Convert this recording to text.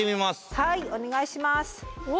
はいお願いします。